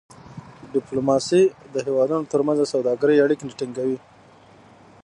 ډيپلوماسي د هېوادونو ترمنځ د سوداګری اړیکې ټینګوي.